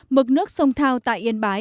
mực nước sông thao tại yên bái